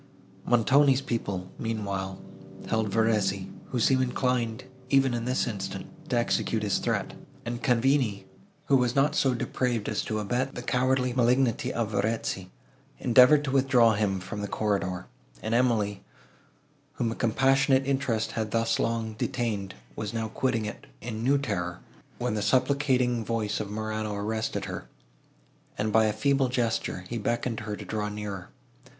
Montoni's people, meanwhile, held Verezzi, who seemed inclined, even in this instant, to execute his threat; and Cavigni, who was not so depraved as to abet the cowardly malignity of Verezzi, endeavoured to withdraw him from the corridor; and Emily, whom a compassionate interest had thus long detained, was now quitting it in new terror, when the supplicating voice of Morano arrested her, and, by a feeble gesture, he beckoned her to draw nearer.